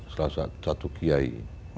salah satu kiai